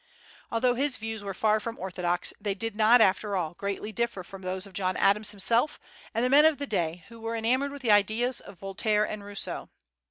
Although his views were far from orthodox, they did not, after all, greatly differ from those of John Adams himself and the men of that day who were enamoured with the ideas of Voltaire and Rousseau.